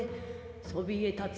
そびえ立つ